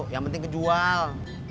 yang penting kejual